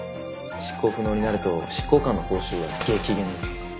執行不能になると執行官の報酬は激減です。